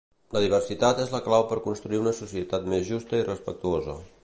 La diversitat és la clau per construir una societat més justa i respectuosa.